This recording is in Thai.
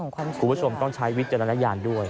คุณผู้ชมต้องใช้วิจารณญาณด้วย